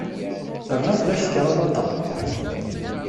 Terna fell-ak tekrabaḍt-a.